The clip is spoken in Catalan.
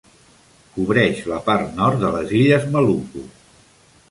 Cobreix la part nord de les illes Maluku.